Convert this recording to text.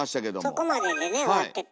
そこまででね終わってた。